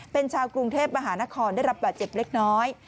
เป็นชาวกรุงเทพมหานครได้รับบาดเจ็บเล็กน้อย